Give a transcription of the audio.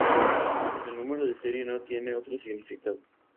El número de serie no tiene otro significado.